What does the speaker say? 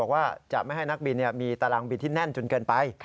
ว่าจะไม่ให้นักบินมีตารางบินที่แน่นจนเกินไป